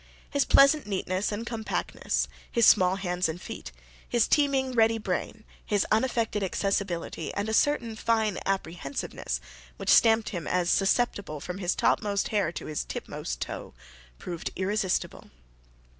His pleasant neatness and compactness, his small hands and feet, his teeming ready brain, his unaffected accessibility, and a certain fine apprehensiveness which stamped him as susceptible from his topmost hair to his tipmost toe, proved irresistible.